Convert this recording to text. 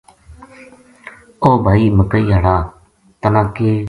او بھائی مکئی ہاڑا ! تنا کِ